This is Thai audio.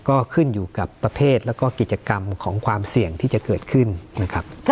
ก็ขึ้นอยู่กับประเภทแล้วก็กิจกรรมของความเสี่ยงที่จะเกิดขึ้นนะครับ